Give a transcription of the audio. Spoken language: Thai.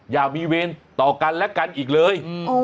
อย่ามีเวรต่อกันและกันอีกเลย